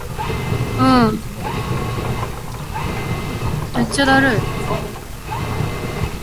Tufnell was educated at Eton and Trinity College, Cambridge.